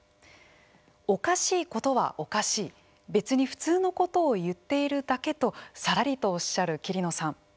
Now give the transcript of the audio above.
おかしいことはおかしい別に普通のことを言っているだけとさらりとおっしゃる桐野さん。